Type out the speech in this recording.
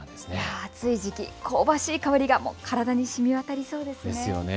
暑い時期、こうばしい香りが体にしみわたりそうですね。